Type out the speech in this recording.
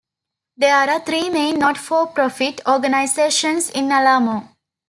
There are three main not-for-profit organizations in Alamo.